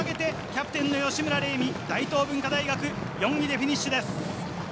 キャプテンに吉村玲美、大東文化大学、４位でフィニッシュです。